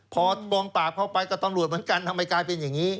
พอกองปราบเข้าไปก็ตำรวจเหมือนกันทำไมกลายเป็นอย่างนี้